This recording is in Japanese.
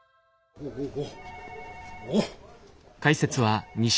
おっおお。